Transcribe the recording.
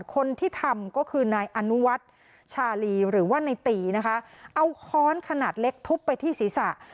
คนที่ทำก็คือนายอนุวัฒน์ชาลีหรือว่าในตีนะคะเอาค้อนขนาดเล็กทุบไปที่ศีรษะ